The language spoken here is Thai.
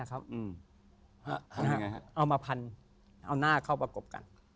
เอามาพันเอาหน้าเข้ามากบกัน